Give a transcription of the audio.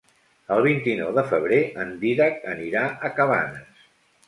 El vint-i-nou de febrer en Dídac anirà a Cabanes.